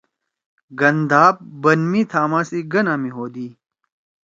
گندھاب بن می تھاما سی گنا می ہودی۔